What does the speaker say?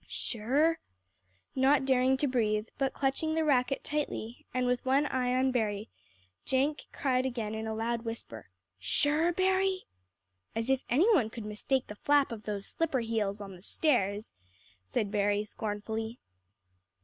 "Sure?" Not daring to breathe, but clutching the racket tightly, and with one eye on Berry, Jenk cried again in a loud whisper, "Sure, Berry?" "As if any one could mistake the flap of those slipper heels on the stairs!" said Berry scornfully.